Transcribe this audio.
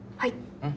うん。